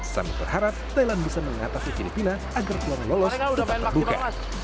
sambil berharap thailand bisa mengatasi filipina agar tuan lolos dapat terbuka